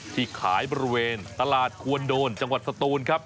ที่ขายบริเวณตลาดควรโดนจังหวัดสตูนครับ